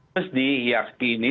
harus dihiasi ini